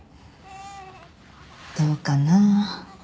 どうかな。